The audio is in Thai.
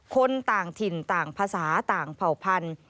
คนต่างถิ่นต่างภาษาต่างเผ่าพันธุ